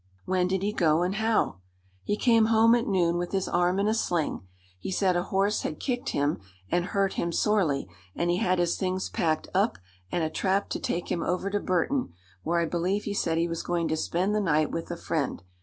"When did he go and how?" "He came home at noon with his arm in a sling. He said a horse had kicked him and hurt him sorely, and he had his things packed up and a trap to take him over to Burton, where I believe he said he was going to spend the night with a friend.